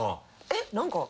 えっ！？何か。